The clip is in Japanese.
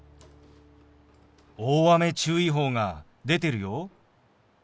大雨注意報が出てるよ。